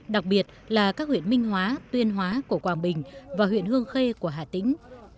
đặc biệt là các huyện minh hóa tuyên hóa của quảng bình và huyện hương khê của hà tĩnh